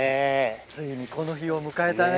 ついにこの日を迎えたね。